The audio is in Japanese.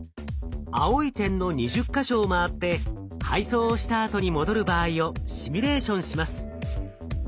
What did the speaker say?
青い点の２０か所を回って配送をしたあとに戻る場合をシミュレーションします。